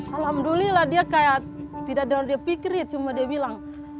alhamdulillah dia kayak tidak ada yang pikirin cuma dia bilang